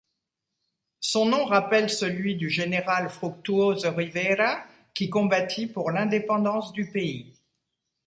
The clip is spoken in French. Son nom rappelle celui du général Fructuoso Rivera qui combattit pour l'indépendance du pays.